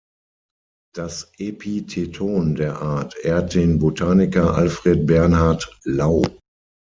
Das Epitheton der Art ehrt den Botaniker Alfred Bernhard Lau.